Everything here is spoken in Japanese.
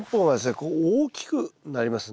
こう大きくなりますね。